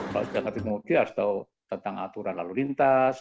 kalau sudah ngerti modi harus tahu tentang aturan lalu lintas